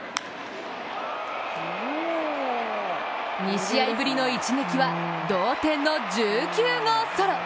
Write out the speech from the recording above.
２試合ぶりの一撃は同点の１９号ソロ。